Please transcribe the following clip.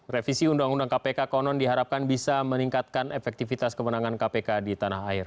revisi undang undang kpk konon diharapkan bisa meningkatkan efektivitas kemenangan kpk di tanah air